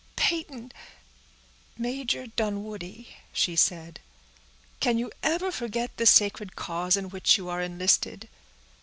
"Peyton—Major Dunwoodie," she said, "can you ever forget the sacred cause in which you are enlisted?